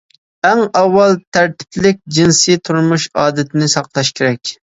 ئەڭ ئاۋۋال تەرتىپلىك جىنسىي تۇرمۇش ئادىتىنى ساقلاش كېرەك.